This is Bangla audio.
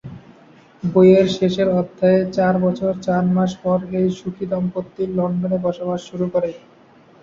বইয়ের শেষের অধ্যায়ে চার বছর চার মাস পর এই সুখী দম্পতি লন্ডনে বসবাস শুরু করে।